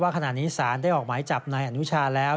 ว่าขณะนี้แซ้นได้ออกไม้จับไนก์อนุชาแล้ว